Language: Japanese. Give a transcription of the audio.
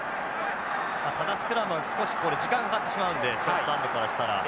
ただスクラムは少し時間がかかってしまうんでスコットランドからしたら。